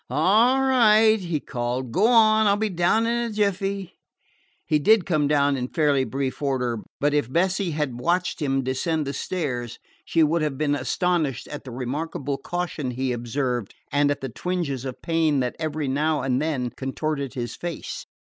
"All right," he called. "Go on. I 'll be down in a jiffy." He did come down in fairly brief order; but if Bessie had watched him descend the stairs she would have been astounded at the remarkable caution he observed and at the twinges of pain that every now and then contorted his face.